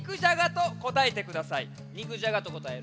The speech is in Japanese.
「肉じゃが」とこたえる。